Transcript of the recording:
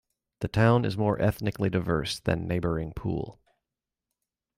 The town is more ethnically diverse than neighbouring Poole.